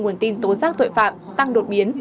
nguồn tin tố giác tội phạm tăng đột biến